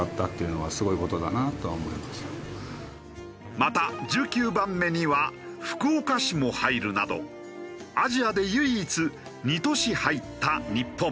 また１９番目には福岡市も入るなどアジアで唯一２都市入った日本。